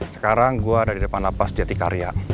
sekarang gue ada di depan lapas diati karya